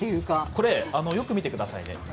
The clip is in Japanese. これ、よく見てください。